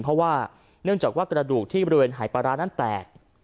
เพราะว่าเนื่องจากว่ากระดูกที่บริเวณหายปลาร้านั้นแตก